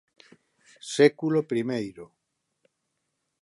Século primeiro